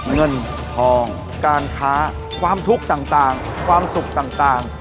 เงินทองการค้าความทุกข์ต่างความสุขต่าง